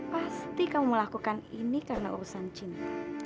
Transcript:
pasti kamu melakukan ini karena urusan cinta